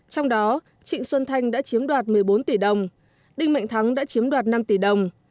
trong đó trịnh xuân thanh đã chiếm đoạt một mươi bốn tỷ đồng đinh mạnh thắng đã chiếm đoạt năm tỷ đồng